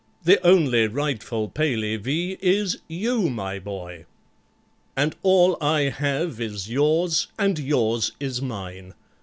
The only rightful PALEY V. is you, my boy! "And all I have is yours—and yours is mine.